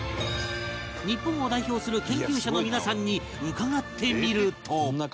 日本を代表する研究者の皆さんに伺ってみると